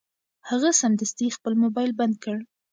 هغه سمدستي خپل مبایل بند کړ.